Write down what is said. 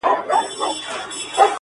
په ړندو کي يو سترگی پاچا دئ.